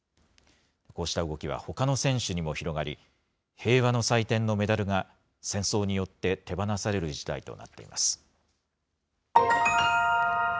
こうした動きはほかの選手にも広がり、平和の祭典のメダルが、戦争によって手放される事態となっています。